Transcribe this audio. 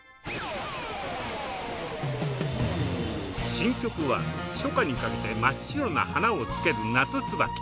新曲は初夏にかけて真っ白な花をつける『夏つばき』。